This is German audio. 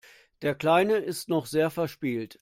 Der Kleine ist noch sehr verspielt.